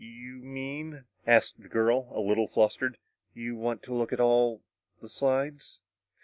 "You mean," asked the girl, a little flustered, "you want to look at all the slides?"